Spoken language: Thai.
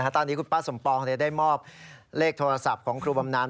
ตอนนี้คุณป้าสมปองได้มอบเลขโทรศัพท์ของครูบำนาน